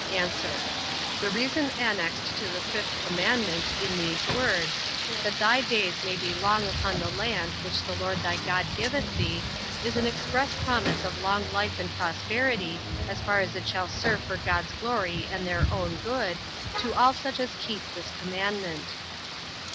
A. The reason annexed to the fifth commandment, in these words, That thy days may be long upon the land which the LORD thy God giveth thee, is an express promise of long life and prosperity, as far as it shall serve for God's glory and their own good, to all such as keep this commandment.